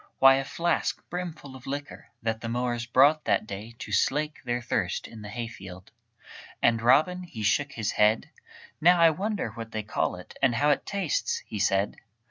Why, a flask brimful of liquor, That the mowers brought that day To slake their thirst in the hayfield. And Robin he shook his head: "Now I wonder what they call it, And how it tastes?" he said.